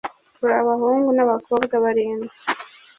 turi abahungu n'abakobwa barindwi